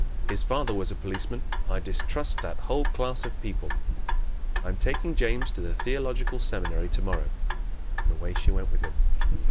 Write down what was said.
"His father was a policeman. I distrust that whole class of people! I am taking James to the theological seminary tomorrow" and away she went with him.